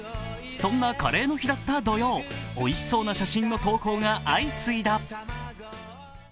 そんなカレーの日だった土曜、おいしそうな写真の投稿が相次いだ。